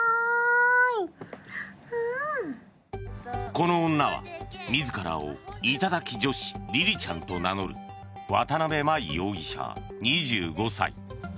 この女は自らを頂き女子りりちゃんと名乗る渡邊真衣容疑者、２５歳。